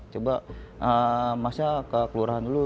coba masnya ke kelurahan dulu